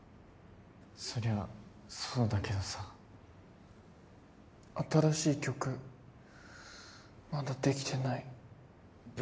そりゃそうだけどさ新しい曲まだできてない８